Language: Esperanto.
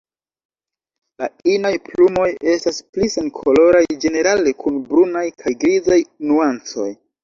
La inaj plumoj estas pli senkoloraj ĝenerale kun brunaj kaj grizaj nuancoj.